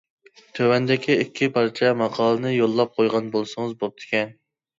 تۆۋەندىكى ئىككى پارچە ماقالىنى يوللاپ قويغان بولسىڭىز بوپتىكەن.